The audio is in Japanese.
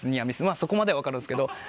そこまで分かるんですけど。